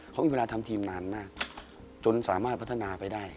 เขามีเวลาทำทีมนานมากจนสามารถพัฒนาไปได้